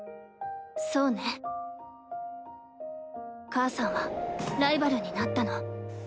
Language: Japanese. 母さんはライバルになったの。